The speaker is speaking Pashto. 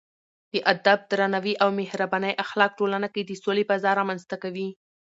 د ادب، درناوي او مهربانۍ اخلاق ټولنه کې د سولې فضا رامنځته کوي.